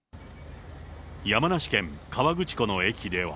山梨県河口湖の駅では。